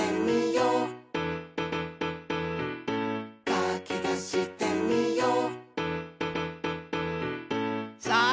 「かきたしてみよう」さあ！